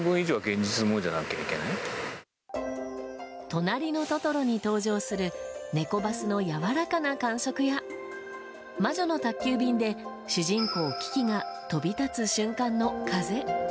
「となりのトトロ」に登場するネコバスのやわらかな感触や「魔女の宅急便」で主人公キキが飛び立つ瞬間の風。